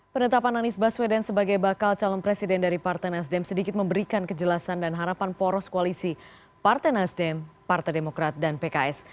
penetapan anies baswedan sebagai bakal calon presiden dari partai nasdem sedikit memberikan kejelasan dan harapan poros koalisi partai nasdem partai demokrat dan pks